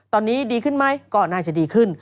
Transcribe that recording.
ตอนนี้ดีขึ้นไหมก็น่าจะดีขึ้น